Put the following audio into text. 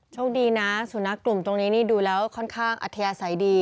โชคดีนะสุนัขกลุ่มตรงนี้นี่ดูแล้วค่อนข้างอัธยาศัยดี